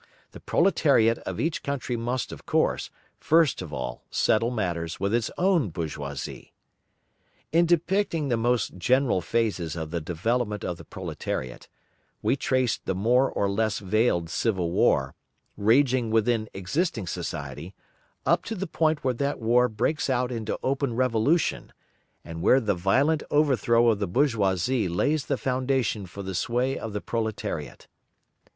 The proletariat of each country must, of course, first of all settle matters with its own bourgeoisie. In depicting the most general phases of the development of the proletariat, we traced the more or less veiled civil war, raging within existing society, up to the point where that war breaks out into open revolution, and where the violent overthrow of the bourgeoisie lays the foundation for the sway of the proletariat.